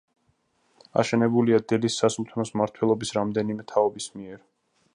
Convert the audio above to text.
აშენებულია დელის სასულთნოს მმართველების რამდენიმე თაობის მიერ.